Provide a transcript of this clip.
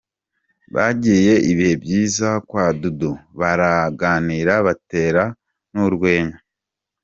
Bagiriye ibihe byiza kwa Dudu baraganira batera n'urwenya.